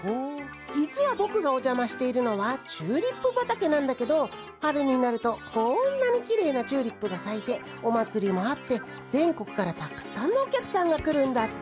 じつはぼくがおじゃましているのはチューリップばたけなんだけどはるになるとこんなにきれいなチューリップがさいておまつりもあって全国からたくさんのおきゃくさんがくるんだって。